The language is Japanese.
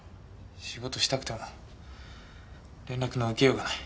仕事したくても連絡の受けようがない。